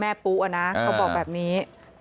แม่ปูอะนะเขาบอกแบบนี้